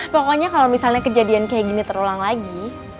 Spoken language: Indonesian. pokoknya kalau misalnya kejadian kayak gini terulang lagi